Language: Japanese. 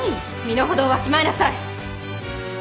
身の程をわきまえなさい。